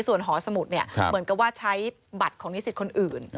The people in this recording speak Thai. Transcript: ส่วนหอสมุทรเหมือนกับว่าใช้บัตรของนิสิตคนอื่น